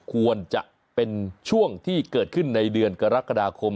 ควรจะเป็นช่วงที่เกิดขึ้นในเดือนกรกฎาคม